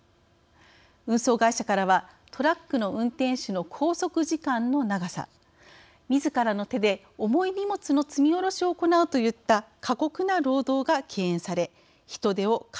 運送会社からはトラックの運転手の拘束時間の長さみずからの手で重い荷物の積み下ろしを行うといった過酷な労働が敬遠され人手を確保できなくなった。